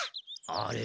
あれ？